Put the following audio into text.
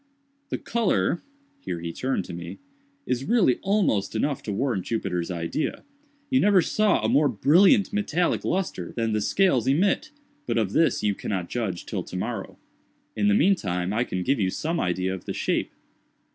The color"—here he turned to me—"is really almost enough to warrant Jupiter's idea. You never saw a more brilliant metallic lustre than the scales emit—but of this you cannot judge till tomorrow. In the mean time I can give you some idea of the shape."